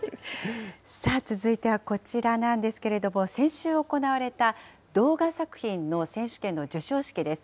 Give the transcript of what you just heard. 続いてはこちらなんですけれども、先週行われた、動画作品の選手権の授賞式です。